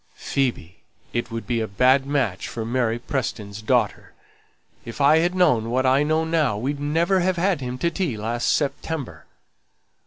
"Phoebe, it would be a bad match for Mary Pearson's daughter. If I had known what I know now we'd never have had him to tea last September."